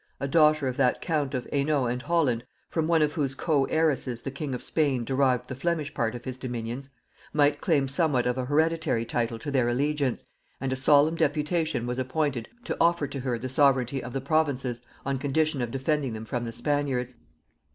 a daughter of that count of Hainalt and Holland from one of whose co heiresses the king of Spain derived the Flemish part of his dominions, might claim somewhat of a hereditary title to their allegiance, and a solemn deputation was appointed to offer to her the sovereignty of the provinces on condition of defending them from the Spaniards.